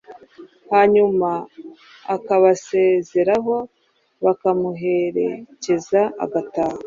hanyuma akabasezeraho, bakamuherekeza agataha.